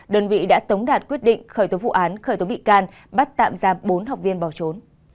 đơn vị đã tống đạt quyết định khởi tố vụ án khởi tố bị can bắt tạm giam bốn học viên bỏ trốn